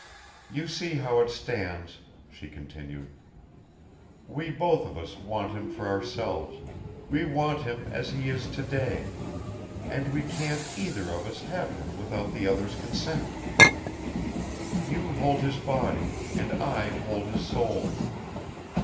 "You see how it stands," she continued. "We both of us want him for ourselves, we want him as he is to day ... and we can't either of us have him without the other's consent. You hold his body, and I hold his soul.